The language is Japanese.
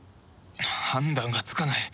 判断がつかない